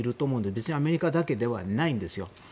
別にアメリカだけではないんですよ。